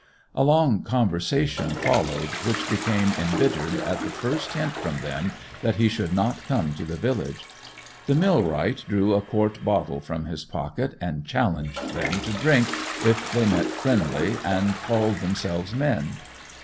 A long conversation followed, which became embittered at the first hint from them that he should not come to the village. The millwright drew a quart bottle from his pocket, and challenged them to drink if they meant friendly and called themselves men.